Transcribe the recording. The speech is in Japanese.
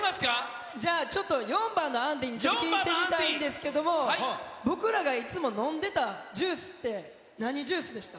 じゃあちょっと、４番のアンディーに聞いてみたんですけど、僕らがいつも飲んでたジュースって何ジュースでした？